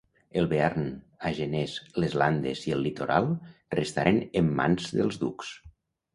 El Bearn, Agenès, Les Landes i el Litoral restaren en mans dels ducs.